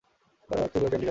তারা তুলোর ক্যান্ডি খাচ্ছে।